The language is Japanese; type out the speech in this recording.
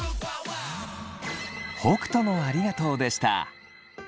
北斗のありがとうでした。